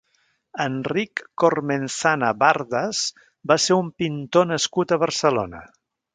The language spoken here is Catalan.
Enric Cormenzana Bardas va ser un pintor nascut a Barcelona.